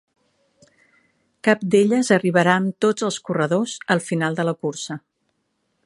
Cap d'elles arribarà amb tots els corredors al final de la cursa.